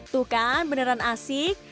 tuh kan beneran asik